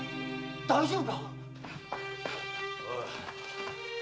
大丈夫か？